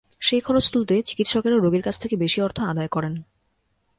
সেই খরচ তুলতে চিকিৎসকেরা রোগীর কাছ থেকে বেশি অর্থ আদায় করেন।